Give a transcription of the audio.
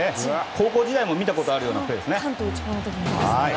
高校時代でも見たことあるようなプレーですね。